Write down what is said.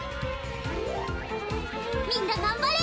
みんながんばれ。